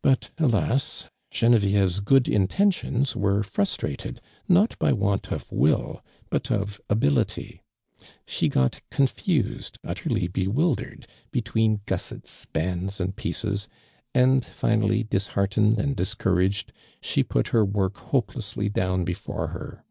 But, alas! (Jenevieve's good intentions were frustrated not by want of will but of ability. (She got confused, utterly bewildered, between gussets, bands and pieces: and, hnally, disheartened and discouraged, she put her work hopelessly down before her.